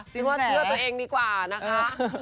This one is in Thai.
คิดว่าเชื่อตัวเองดีกว่านะคะ